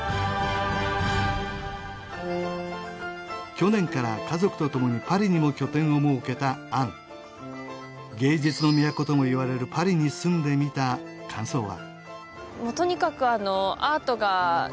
去年から家族とともにパリにも拠点を設けた杏芸術の都ともいわれるパリに住んでみた感想は？